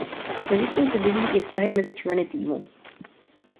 Mezitím se vyvíjí i vztahy mezi členy týmu.